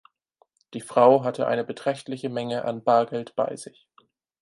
Die Frau hatte eine beträchtliche Menge an Bargeld bei sich.